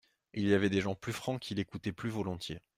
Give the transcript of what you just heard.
Il y avait des gens plus francs qu'il écoutait plus volontiers.